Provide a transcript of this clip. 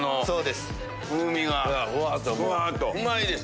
うまいです！